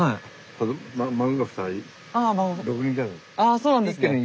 あそうなんですね。